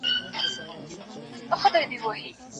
آیا د سپورټي میدانونو د جوړولو لپاره کوم پلان سته؟